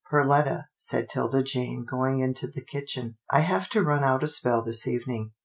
" Perletta," said 'Tilda Jane going into the kitchen, " I have to run out a spell this evening."